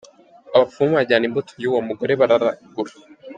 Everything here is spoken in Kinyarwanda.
Abapfumu bajyana imbuto y’uwo mugore bararagura.